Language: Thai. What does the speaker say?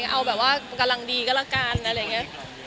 เอาแบบว่ากำลังดีก็แล้วกันอะไรอย่างนี้